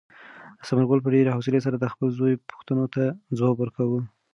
ثمرګل په ډېرې حوصلې سره د خپل زوی پوښتنو ته ځواب ورکاوه.